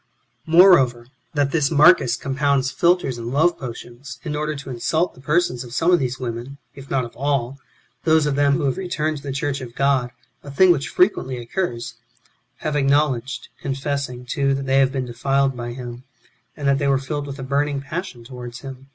5. Moreover, that this Marcus compounds philters and love potions, in order to insult the persons of some of these women, if not of all, those of them who have returned to the church of God — a thing which frequently occurs— have acknow ledged, confessing, too, that they have been defiled by him, and that they were filled with a burning passion towards him.